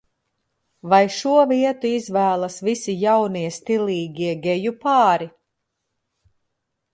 Vai šo vietu izvēlas visi jaunie, stilīgie geju pāri?